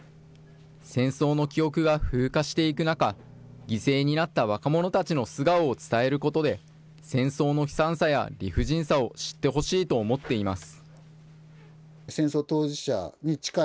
戦争の記憶が風化していく中、犠牲になった若者たちの素顔を伝えることで、戦争の悲惨さや理不尽さを知ってほしいと思っています。